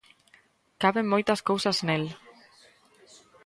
Caben moitas cousas nel.